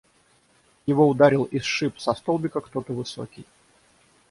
Его ударил и сшиб со столбика кто-то высокий.